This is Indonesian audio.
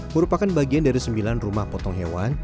merupakan bagian dari sembilan rumah potong hewan